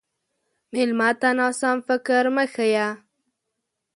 مېلمه ته ناسم فکر مه ښیه.